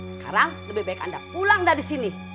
sekarang lebih baik anda pulang dari sini